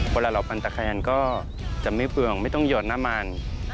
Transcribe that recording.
เวลาเราปั่นจักรยานก็จะไม่เฟืองไม่ต้องหยดน้ำมัน